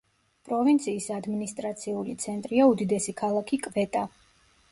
პროვინციის ადმინისტრაციული ცენტრია უდიდესი ქალაქი კვეტა.